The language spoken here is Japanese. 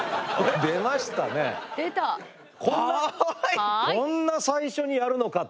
こんな最初にやるのかっていう。